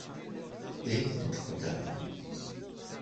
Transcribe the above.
Anda ay ten-tqeddrem?